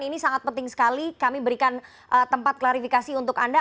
ini sangat penting sekali kami berikan tempat klarifikasi untuk anda